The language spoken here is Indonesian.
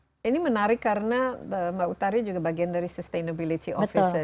oke ini menarik karena mbak utario juga bagian dari sustainability office